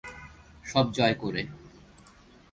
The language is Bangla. সব জয় করে।